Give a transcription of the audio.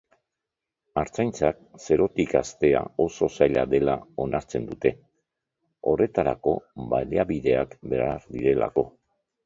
Artzaintzan zerotik hastea oso zaila dela onartzen dute, horretarako baliabideak behar direlako.